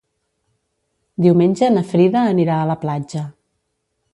Diumenge na Frida anirà a la platja.